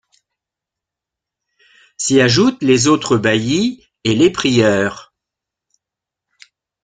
S'y ajoutent les autres baillis et les prieurs.